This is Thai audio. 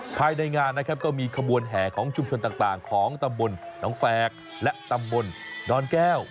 ภายในงานนะครับก็มีขบวนแห่ของชุมชนต่างของตำบลน้องแฝกและตำบลดอนแก้ว